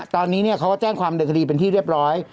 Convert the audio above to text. ตอนนี้เขาก็แจ้งความเดินคดีเป็นที่เรียบร้อย